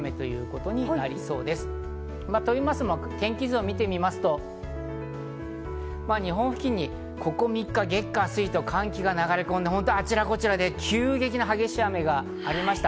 といいますのも、天気図を見てみますと、日本付近にここ３日、月・火・水と寒気が流れ込んで、あちらこちらで急激に激しい雨がありました。